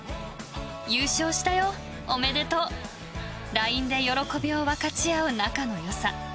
ＬＩＮＥで喜びを分かち合う仲の良さ。